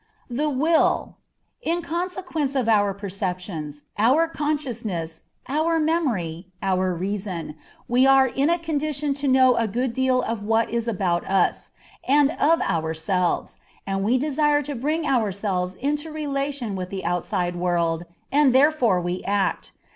The Will. In consequence of our perceptions, our consciousness, our memory, our reason, we are in a condition to know a good deal of what is about us, and of ourselves, and we desire to bring ourselves into relation with the outside world, and therefore we act.